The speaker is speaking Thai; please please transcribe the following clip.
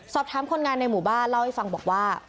คนงานในหมู่บ้านเล่าให้ฟังบอกว่า